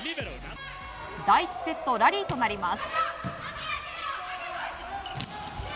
第１セット、ラリーとなります。